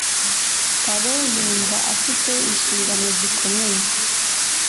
Taro yumva afite inshingano zikomeye.